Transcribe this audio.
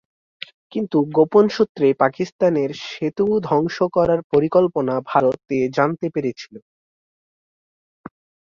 কিন্তু গোপন সুত্রে পাকিস্তানের সেতু ধ্বংস করার পরিকল্পনা ভারতে জানতে পেরেছিল।